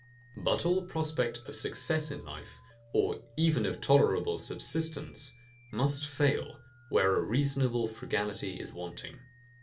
But all prospect of success in life, or even of tolerable subsistence, must fail, where a reasonable frugality is wanting.